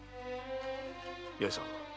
八重さん。